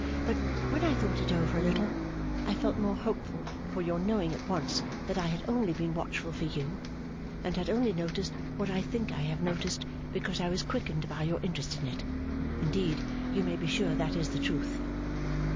But when I thought it over a little, I felt more hopeful for your knowing at once that I had only been watchful for you, and had only noticed what I think I have noticed, because I was quickened by your interest in it. Indeed, you may be sure that is the truth.